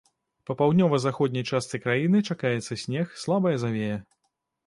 Па паўднёва-заходняй частцы краіны чакаецца снег, слабая завея.